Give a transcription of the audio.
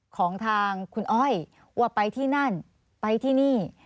ของทางคุณอ้อยว่าไปที่นั่นไปที่นี่